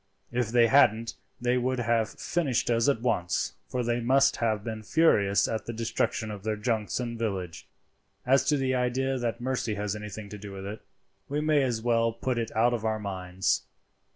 If they hadn't they would have finished us at once, for they must have been furious at the destruction of their junks and village. "As to the idea that mercy has anything to do with it, we may as well put it out of our minds.